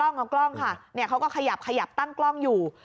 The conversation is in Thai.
เงากล้องค่ะเขาก็ขยับตั้งกล้องอยู่